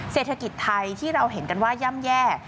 เศรษฐกิจไทยที่เราเห็นอย่ำแย่